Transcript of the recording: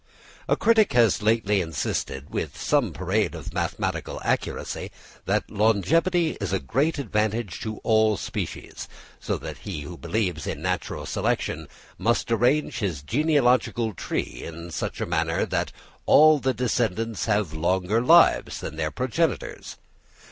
A critic has lately insisted, with some parade of mathematical accuracy, that longevity is a great advantage to all species, so that he who believes in natural selection "must arrange his genealogical tree" in such a manner that all the descendants have longer lives than their progenitors!